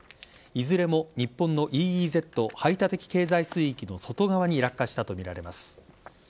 いずれも日本のＥＥＺ＝排他的経済水域の外側に落下したとみられます。